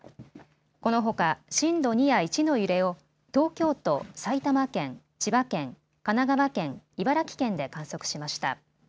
このほか震度２や１の揺れを東京都、埼玉県、千葉県、神奈川県、茨城県で観測しました。